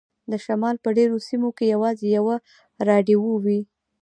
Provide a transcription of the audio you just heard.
د شمال په ډیرو سیمو کې یوازې یوه راډیو وي